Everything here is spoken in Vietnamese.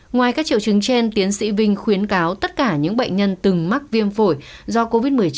ngoài các triệu chứng trên tiến sĩ vinh khuyến cáo tất cả những bệnh nhân từng mắc viêm phổi do covid một mươi chín